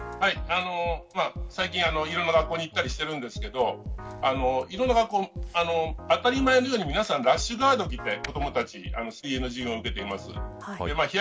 最近、いろんな学校に行ったりしてますが当たり前のように皆さんラッシュガードを着て子どもたちは水泳の授業を受けています。